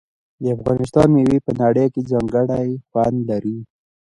د افغانستان میوې په نړۍ کې ځانګړی خوند لري.